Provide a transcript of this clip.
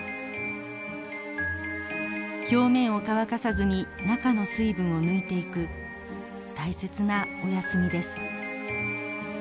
表面を乾かさずに中の水分を抜いていく大切なお休みです。